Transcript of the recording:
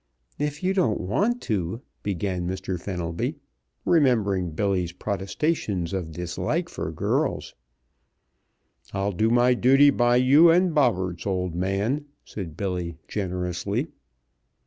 "If you don't want to " began Mr. Fenelby, remembering Billy's protestations of dislike for girls. "I'll do my duty by you and Bobberts, old man," said Billy, generously.